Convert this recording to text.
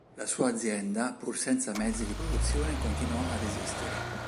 La sua azienda, pur senza mezzi di produzione, continuò ad esistere.